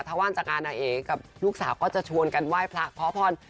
ถ้าว่างจากงานนางเอกกับลูกสาวก็จะชวนกันไหว้พระขอพร